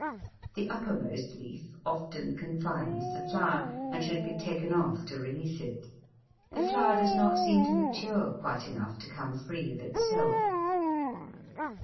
The uppermost leaf often confines the flower, and should be taken off to release it; the flower does not seem to mature quite enough to come free of itself.